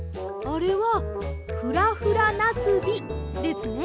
あれは「フラフラなすび」ですね。